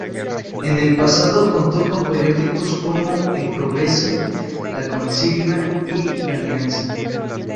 En el pasado contó con periódicos como "El Progreso", "La Consigna" y "La Alianza".